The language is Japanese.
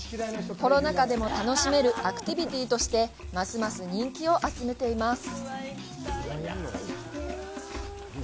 コロナ禍でも楽しめるアクティビティーとしてますます人気を集めています。